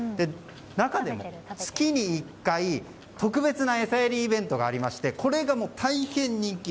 中でも、月に１回特別な餌やりイベントがありましてこれが大変人気。